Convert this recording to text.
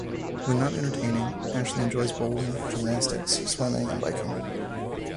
When not entertaining, Ashley enjoys bowling, gymnastics, swimming and biking.